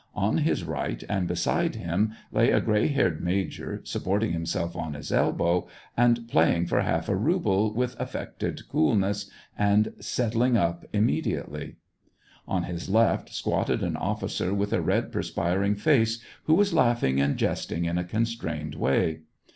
On his right, and beside him, lay a gray haired major, supporting himself on his elbow, and playing for half a ruble with affected coolness, and settling up immediately. On his left squatted an officer with a red, perspiring face, who was laughing and jesting in a constrained way.